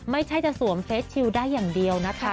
ไม่ใช่จะสวมเฟสชิลได้อย่างเดียวนะคะ